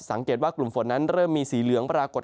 สังเกตว่ากลุ่มฝนนั้นเริ่มมีสีเหลืองปรากฏ